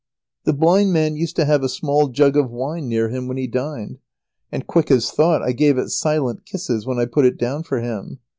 The blind man used to have a small jug of wine near him when he dined; and quick as thought I gave it silent kisses when I put it down for him.